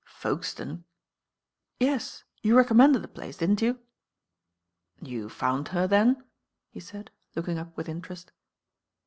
"Folkestone!" "Yes, you recommended the place, didn't you?" "You found her then?" he said, looking up with interest.